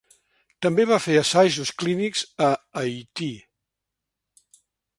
També va fer assajos clínics a Haití.